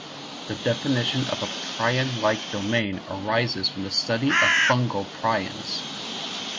The definition of a prion-like domain arises from the study of fungal prions.